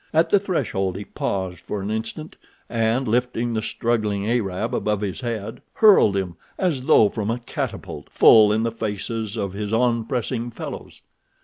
At the threshold he paused for an instant, and, lifting the struggling Arab above his head, hurled him, as though from a catapult, full in the faces of his on pressing fellows.